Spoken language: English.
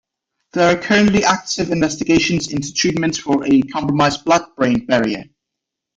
There are currently active investigations into treatments for a compromised blood-brain barrier.